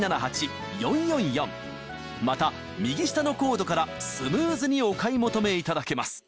また右下のコードからスムーズにお買い求めいただけます